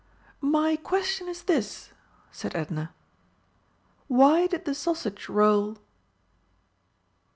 "My question is this," said Edna: "Why did the sausage roll?"